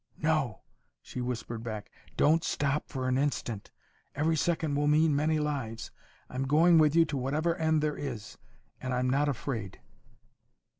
"No," she whispered back; "don't stop for an instant. Every second will mean many lives. I'm going with you to whatever end there is, and I'm not afraid."